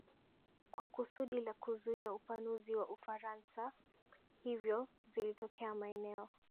kwa kusudi la kuzuia upanuzi wa Ufaransa Hivyo zilitokea maeneo